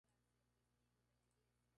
Con igual número salió Ximena Abarca.